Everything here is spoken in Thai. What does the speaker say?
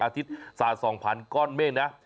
อาทิตย์สะ๒๐๐๐ก้อนเมฆนะ